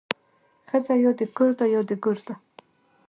ښځه يا د کور ده يا د ګور ده